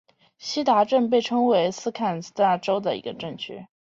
锡达镇区为美国堪萨斯州考利县辖下的镇区。